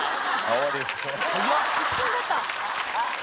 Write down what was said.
一瞬だった。